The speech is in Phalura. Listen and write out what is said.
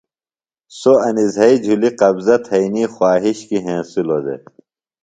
سوۡ انیۡ زھئی جھلی قبضہ تھئنی خواہش کی ہینسِلوۡ دےۡ